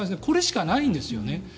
これしかないんですよね。